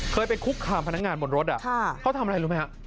เคยไปคุกคามพนักงานบนรถเขาทำอะไรรู้ไหมฮะ